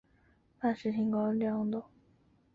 娄敬说的没错。